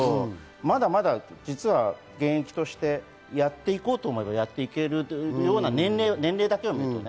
まだまだ現役としてやって行こうと思えばやっていけるような年齢だけを見るとね。